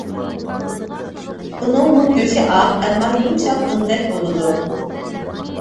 ئۇنىڭمۇ گۆشى ئاق، ئەمما يۇمشاق ئۇندەك بولىدۇ.